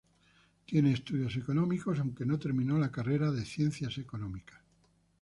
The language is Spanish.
Tiene estudios económicos, aunque no terminó la carrera de Ciencias Económicas.